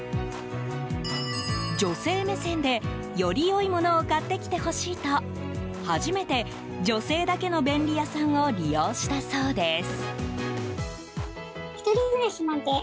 女性目線で、より良いものを買ってきてほしいと初めて、女性だけの便利屋さんを利用したそうです。